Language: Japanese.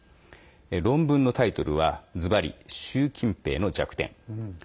論文のタイトルは、ずばり「習近平の弱点」。